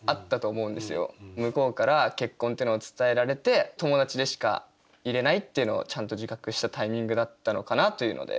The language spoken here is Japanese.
向こうから結婚っていうのを伝えられて友達でしかいれないっていうのをちゃんと自覚したタイミングだったのかなというので。